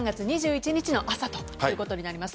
３月２１日の朝ということになります。